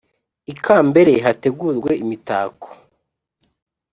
ikambere hategurwe imitako